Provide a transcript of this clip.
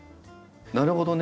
なるほどね。